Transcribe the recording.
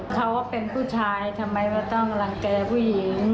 เขาว่าเป็นผู้ชายทำไมว่าต้องรังแก่ผู้หญิง